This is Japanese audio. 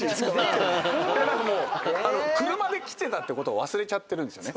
もう車で来てたってことを忘れちゃってるんですよね。